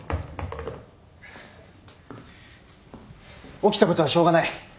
起きたことはしょうがない。